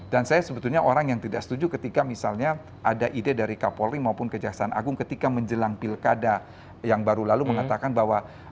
dan saya sebetulnya orang yang tidak setuju ketika misalnya ada ide dari kapolri maupun kejaksaan agung ketika menjelang pilkada yang baru lalu mengatakan bahwa